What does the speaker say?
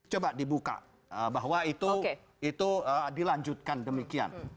coba dibuka bahwa itu dilanjutkan demikian